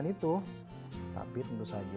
ini sudah beku